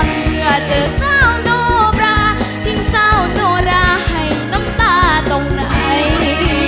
เมื่อเจอสาวโนบราทิ้งเศร้าโนราให้น้ำตาตรงไหน